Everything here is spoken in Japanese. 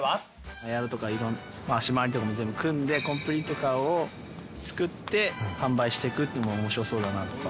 パーツとか足回りとか全部組んで、コンプリートカーを作って販売していくっていうのもおもしろそうだなとか。